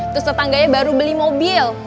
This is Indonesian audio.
terus tetangganya baru beli mobil